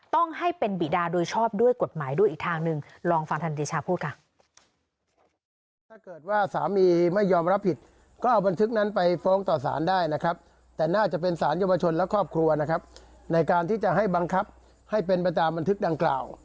ต้องให้เป็นบิดาโดยชอบด้วยกฎหมายด้วยอีกทางหนึ่ง